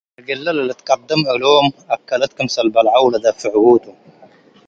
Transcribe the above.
እግለ ለትትቀደም እግሎም እከለት ክምሰል በልዐው ለደፍዕዉ ቱ ።